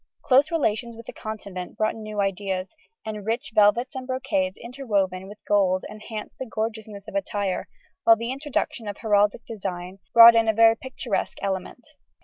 Close relations with the Continent brought new ideas, and rich velvets and brocades interwoven with gold enhanced the gorgeousness of attire, while the introduction of heraldic design brought in a very picturesque element.